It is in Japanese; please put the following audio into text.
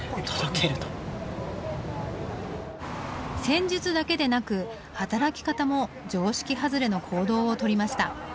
戦術だけでなく働き方も常識外れの行動をとりました。